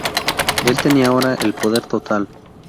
Él tenía ahora el poder total.